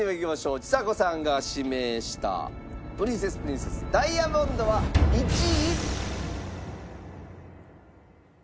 ちさ子さんが指名したプリンセスプリンセス『Ｄｉａｍｏｎｄｓ』は１位。